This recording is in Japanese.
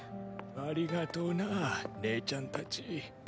ありがとなねェちゃんたち。